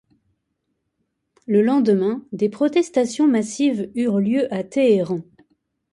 Le lendemain, des protestations massives eurent lieu à Téhéran.